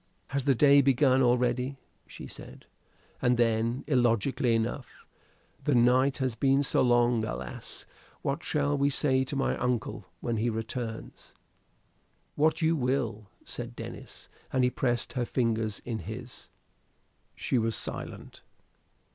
"Has the day begun already?" she said; and then, illogically enough: "the night has been so long! Alas! what shall we say to my uncle when he returns?" "What you will," said Denis, and he pressed her fingers in his. She was silent.